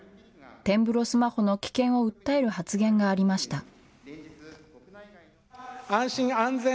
点ブロスマホの危険を訴える発言がありました。